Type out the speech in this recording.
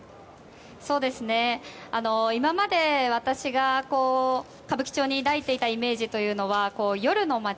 今まで、私が歌舞伎町に抱いていたイメージというのは夜の街。